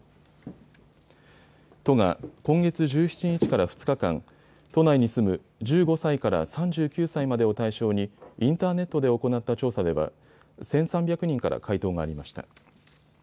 都が今月１７日から２日間、都内に住む１５歳から３９歳までを対象にインターネットで行った調査では１３００人から回答がありました。